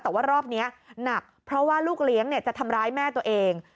แต่ว่ารอบนี้หนักเพราะว่าลูกเลี้ยงจะทำร้ายแม่ตัวเอง